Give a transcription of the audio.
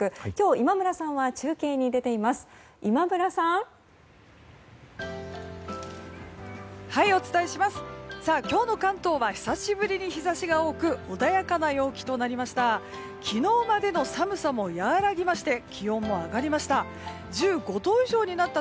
今日の関東は日差しが多く穏やかな陽気となりました。